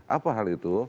apa hal itu